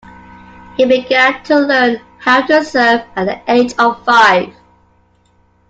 He began to learn how to surf at the age of five.